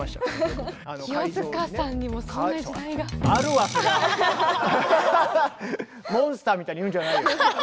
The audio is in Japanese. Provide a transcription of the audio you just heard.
まさにそういうモンスターみたいに言うんじゃないよ！